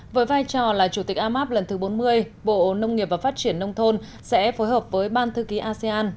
với vai trò là chủ tịch amap lần thứ bốn mươi bộ nông nghiệp và phát triển nông thôn sẽ phối hợp với ban thư ký asean